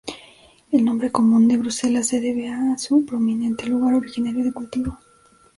El nombre común, de Bruselas, se debe a su prominente lugar originario de cultivo.